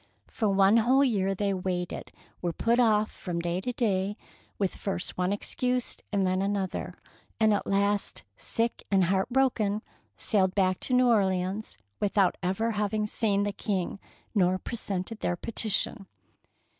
For one whole year they waited, were put off from day to day with first one excuse and then another, and at last, sick and heart broken, sailed back to New Orleans without ever having seen the King nor presented their petition!